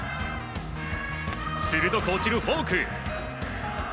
鋭く落ちるフォーク。